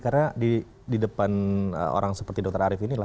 karena di depan orang seperti dokter arief ini